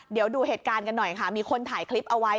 เดี๋ยวดูเหตุการณ์กันหน่อยค่ะมีคนถ่ายคลิปเอาไว้